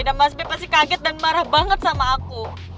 dan mas be pasti kaget dan marah banget sama aku